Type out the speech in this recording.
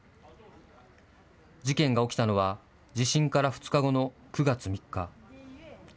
事件が起きたのは地震から２日後の９月３日。